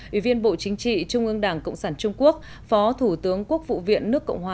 ủy viên bộ chính trị trung ương đảng cộng sản trung quốc phó thủ tướng quốc vụ viện nước cộng hòa